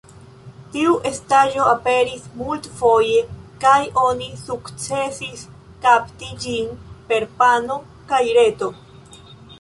Tiu estaĵo aperis multfoje kaj oni sukcesis kapti ĝin per pano kaj reto.